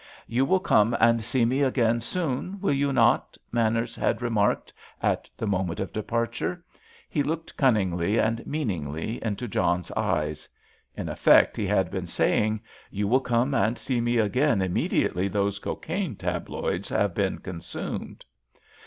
"You will come and see me again soon, will you not?" Manners had remarked at the moment of departure. He looked cunningly and meaningly into John's eyes. In effect he had been saying: "You will come and see me again immediately those cocaine tabloids have been consumed."